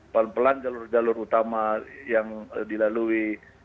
pelan pelan jalur jalur utama yang dilalui